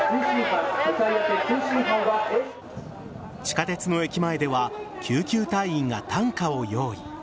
地下鉄の駅前では救急隊員が担架を用意。